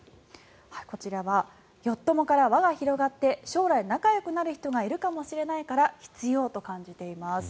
こちらはよっ友から輪が広がって将来、仲よくなる人がいるかもしれないから必要と感じています。